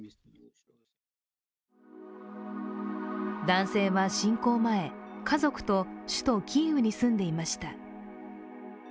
男性は侵攻前、家族と首都キーウに住んでいました。